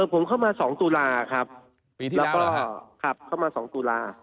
ผมเข้ามาสองตุลาครับครับเข้ามาสองตุลา